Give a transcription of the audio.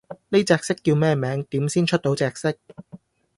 呢隻色叫咩名？點先出到隻色？